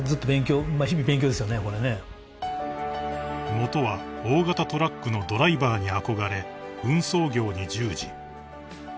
［もとは大型トラックのドライバーに憧れ運送業に従事］